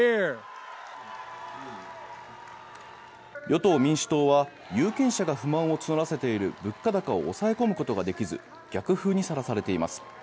与党・民主党は有権者が不満を募らせている物価高を抑え込むことができず逆風にさらされています。